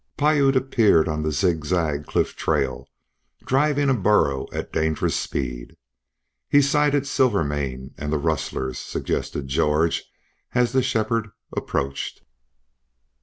Piute appeared on the zigzag cliff trail, driving a burro at dangerous speed. "He's sighted Silvermane and the rustlers," suggested George, as the shepherd approached.